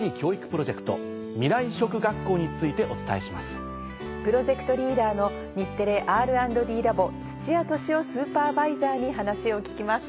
プロジェクトリーダーの日テレＲ＆Ｄラボ土屋敏男スーパーバイザーに話を聞きます。